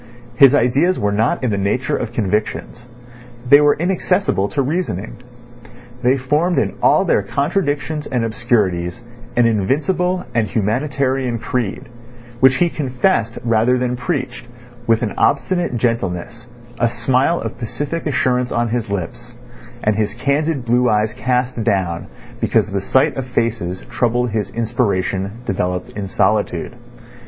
His ideas were not in the nature of convictions. They were inaccessible to reasoning. They formed in all their contradictions and obscurities an invincible and humanitarian creed, which he confessed rather than preached, with an obstinate gentleness, a smile of pacific assurance on his lips, and his candid blue eyes cast down because the sight of faces troubled his inspiration developed in solitude.